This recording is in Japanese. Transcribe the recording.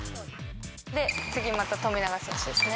で、次また富永選手ですね。